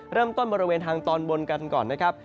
เริ่มต้นบริเวณทางตอนบนกันก่อนนะครับ